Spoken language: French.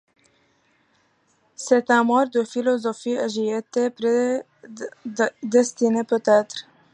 C’est une mort de philosophe, et j’y étais prédestiné peut-être.